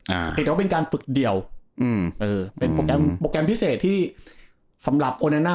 เพียงแต่ว่าเป็นการฝึกเดียวอืมเออเป็นโปรแกรมโปรแกรมพิเศษที่สำหรับโอเนน่า